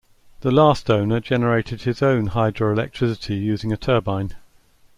The last owner generated his own hydro-electricity using a turbine.